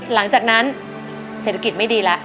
หลังจากนั้นเศรษฐกิจไม่ดีแล้ว